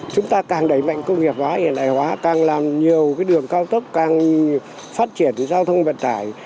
chúng ta càng đẩy mạnh công nghiệp hóa hiện đại hóa càng làm nhiều đường cao tốc càng phát triển giao thông vận tải